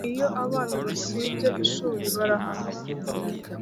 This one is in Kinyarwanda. Iyo abana basibye ishuri barahanwa